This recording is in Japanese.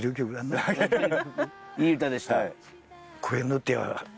いい歌でした？